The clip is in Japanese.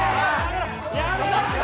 やめろって！